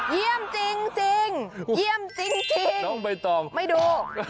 เยี่ยมจริงจริงหยุดน้องใบต่องไม่ดู